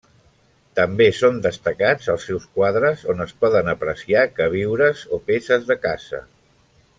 També són destacats els seus quadres on es poden apreciar queviures o peces de caça.